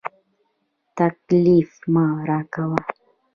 تکليف مه راکوه.